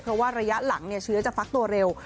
เพราะว่าระยะหลังเชื้อจะฟักตัวเร็ว